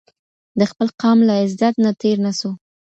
د خپل قام له عزت نه تېر نه سو